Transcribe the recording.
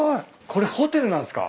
これホテルなんすか？